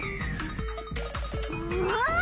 うん？